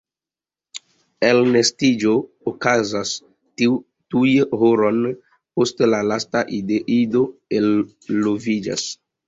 Elnestiĝo okazas tuj horojn post la lasta ido eloviĝas.